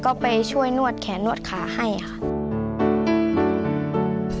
ก็ไปช่วยนวดแขนนวดขาให้ค่ะ